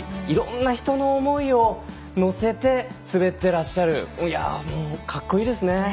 いろんな人の思いを乗せて滑っていらっしゃる本当かっこいいですね。